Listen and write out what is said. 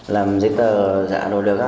làm giấy tờ giả đồ được